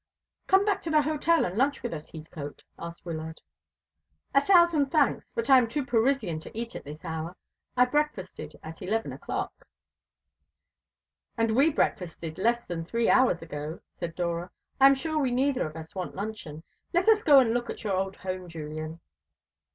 "Come back to the hotel and lunch with us, Heathcote," asked Wyllard. "A thousand thanks; but I am too Parisian to eat at this hour. I breakfasted at eleven o'clock." "And we breakfasted less than three hours ago," said Dora. "I am sure we neither of us want luncheon. Let us go and look at your old home, Julian."